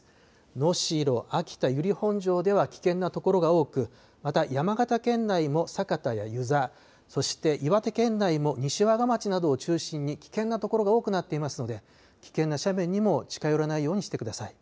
能代、秋田、由利本荘市では危険な所が多くまた山形県内も酒田や湯沢そして岩手県内も西和賀町などを中心に危険な所が多くなっていますので危険な斜面にも近寄らないようにしてください。